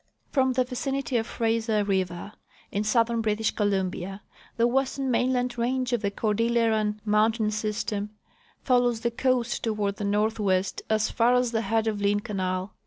From the Adcinity of Frazer river, in southern British Columbia, the western mainland range of the Cordilleran mountain system follows the coast toward the northwest as far as the head of Lynn canal.